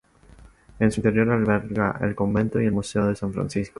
En su interior alberga el Convento y Museo de San Francisco.